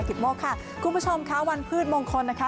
โมกค่ะคุณผู้ชมค่ะวันพืชมงคลนะคะ